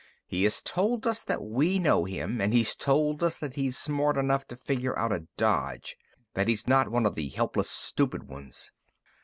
He has told us that we know him, and he's told us that he's smart enough to figure out a dodge that he's not one of the helplessly stupid ones."